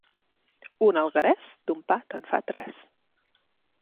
Un alguerés, d'un pa te'n fa tres.